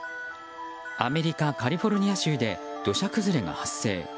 アメリカ・カリフォルニア州で土砂崩れが発生。